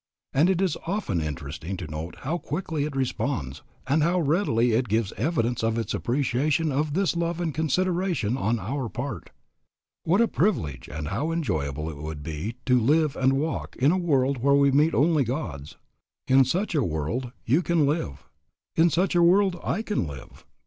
And it is often interesting to note how quickly it responds, and how readily it gives evidence of its appreciation of this love and consideration on our part. What a privilege and how enjoyable it would be to live and walk in a world where we meet only Gods. In such a world you can live. In such a world I can live.